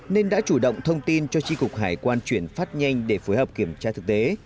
nên đã chủ động thông tin cho tri cục hải quan chuyển phát nhanh để phối hợp kiểm tra thực tế